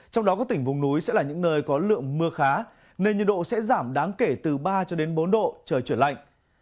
trong đó các tỉnh vùng núi sẽ là những nơi có lượng mưa khá nên nhiệt độ sẽ giảm đáng kể từ ba cho đến bốn độ trời chuyển lạnh